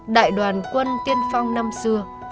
đại đoàn quân tiên phong năm xưa